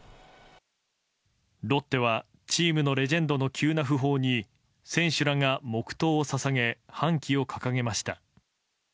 ロッテはチームのレジェンドの急な訃報に選手らが黙祷を捧げ半旗を掲げました。